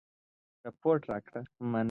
رپوټ راکړي.